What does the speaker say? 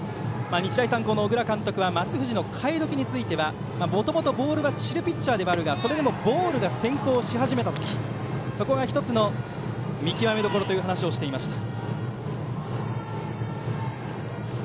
日大三高の小倉監督は松藤の代え時についてはもともとボールが散るピッチャーではあるがそれでもボールが先行し始めた時そこが１つの見極めどころという話をしていました。